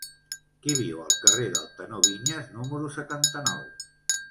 Qui viu al carrer del Tenor Viñas número setanta-nou?